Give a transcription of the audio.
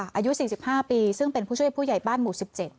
อายุ๔๕ปีซึ่งเป็นผู้ช่วยผู้ใหญ่บ้านหมู่๑๗